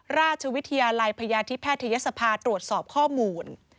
ราชวิทยาลัยพยาธิแพทยศภาตรวจสอบข้อมูล